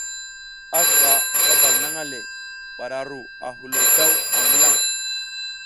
A ziba gabal nang le bara a ru a hilo daw a milan.